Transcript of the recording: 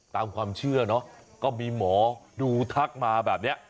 ตามความเชื่อเนอะก็มีหมอดูทักมาแบบนี้